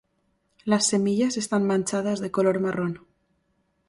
Las semillas están manchadas de color marrón.